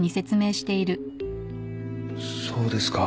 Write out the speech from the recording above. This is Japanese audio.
そうですか。